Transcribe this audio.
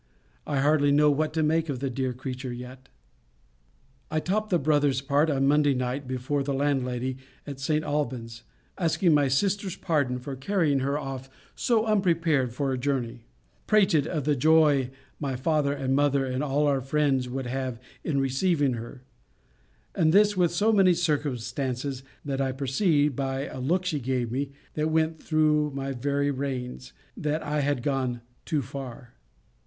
I hardly know what to make of the dear creature yet. I topt the brother's part on Monday night before the landlady at St. Alban's; asking my sister's pardon for carrying her off so unprepared for a journey; prated of the joy my father and mother, and all our friends, would have in receiving her; and this with so many circumstances, that I perceived, by a look she gave me, that went through my very veins, that I had gone too far.